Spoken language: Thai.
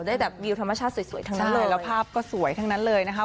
ได้แบบวิวธรรมชาติสวยทั้งนั้นเลยแล้วภาพก็สวยทั้งนั้นเลยนะคะ